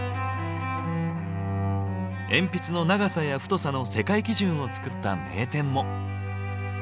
鉛筆の長さや太さの世界基準を作った名店も。